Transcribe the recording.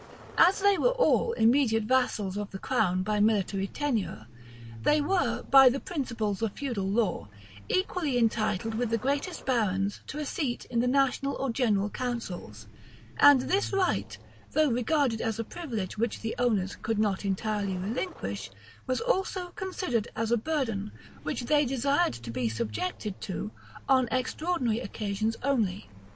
As they were all immediate vassals of the crown by military tenure, they were, by the principles of the feudal law, equally entitled with the greatest barons to a seat in the national or general councils; and this right, though regarded as a privilege which the owners would not entirely relinquish, was also considered as a burden which they desired to be subjected to on extraordinary occasions only.